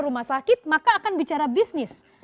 rumah sakit maka akan bicara bisnis